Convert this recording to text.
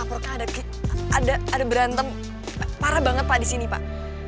parah banget pak disini pak